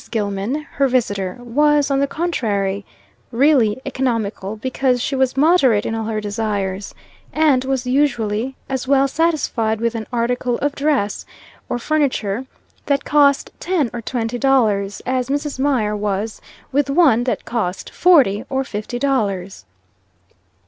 Gilman, her visitor, was, on the contrary, really economical, because she was moderate in all her desires, and was usually as well satisfied with an article of dress or furniture that cost ten or twenty dollars, as Mrs. Mier was with one that cost forty or fifty dollars.